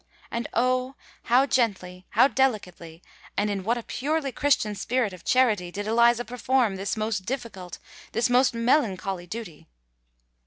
And, oh! how gently—how delicately—and in what a purely Christian spirit of charity, did Eliza perform this most difficult—this most melancholy duty!